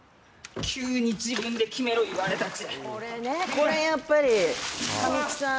これやっぱりね、神木さん。